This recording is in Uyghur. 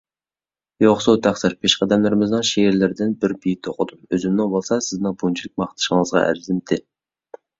يوقسۇ تەقسىر، پېشقەدەملىرىمىزنىڭ شېئىرلىرىدىن بىر بېيىت ئوقۇدۇم، ئۆزۈمنىڭ بولسا سىزنىڭ بۇنچىلىك ماختىشىڭىزغا ئەرزىمتى.